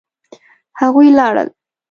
هغوی لاړل